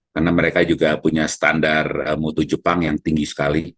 karena mereka juga punya standar mutu jepang yang tinggi sekali